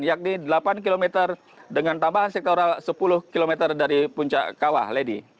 yakni delapan km dengan tambahan sektoral sepuluh km dari puncak kawah lady